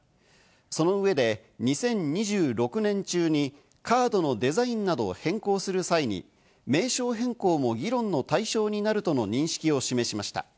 その上で、２０２６年中にカードのデザインなどを変更する際に名称変更も議論の対象になるとの認識を示しました。